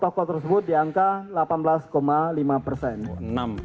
tokoh tersebut diangkat delapan belas lima persen